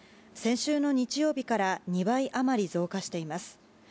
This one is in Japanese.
先週の日曜日から２倍余り増加しています。